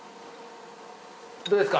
どうですか？